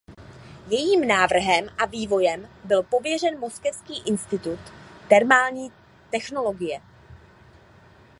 Jejím návrhem a vývojem byl pověřen Moskevský institut termální technologie.